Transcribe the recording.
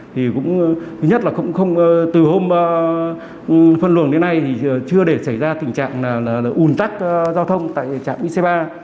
thì cũng thứ nhất là từ hôm phân luồng đến nay thì chưa để xảy ra tình trạng ùn tắc giao thông tại trạm ic ba